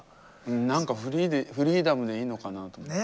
何かフリーダムでいいのかなと思って。